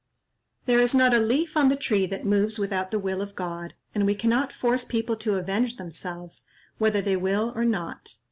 There is not a leaf on the tree that moves without the will of God, and we cannot force people to avenge themselves, whether they will or not.